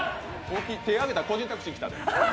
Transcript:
手挙げたら個人タクシー来たで。